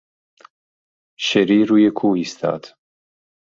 شری روی کوه ایستاد.